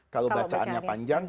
kalau bacaannya panjang